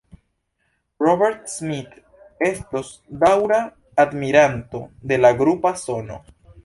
Robert Smith restos daŭra admiranto de la grupa sono.